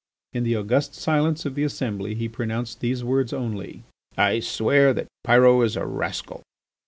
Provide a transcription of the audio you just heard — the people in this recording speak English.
In the august silence of the assembly he pronounced these words only: "I swear that Pyrot is a rascal."